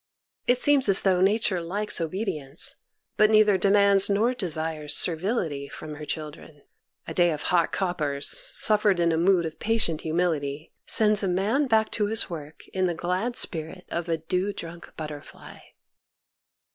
It seems as though Nature likes obedience, but neither demands nor desires servility from her children. A day of hot coppers, suffered in a mood of patient humility, sends a man back to his work in the glad spirit of a dew drunk butterfly.